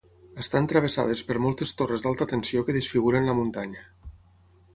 Estan travessades per moltes torres d'alta tensió que desfiguren la muntanya.